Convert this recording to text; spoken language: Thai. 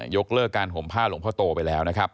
ยกเลิกการห่มผ้าหลวงพ่อโตไปแล้วนะครับ